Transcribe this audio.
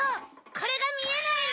これがみえないの？